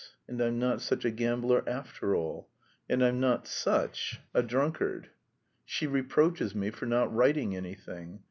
and I'm not such a gambler after all, and I'm not such a drunkard. She reproaches me for not writing anything.